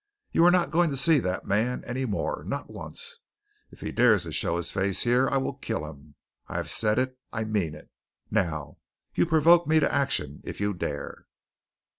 You are not going to see that man any more, not once, and if he dares to show his face here, I will kill him. I have said it. I mean it. Now you provoke me to action if you dare."